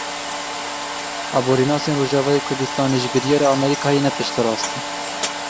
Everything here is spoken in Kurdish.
Aborînasên Rojavayê Kurdistanê ji biryara Amerîkayê ne piştrast in.